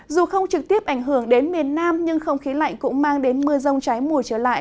dù không trực tiếp ảnh hưởng đến miền nam nhưng không khí lạnh cũng mang đến mưa rông trái mùi trở lại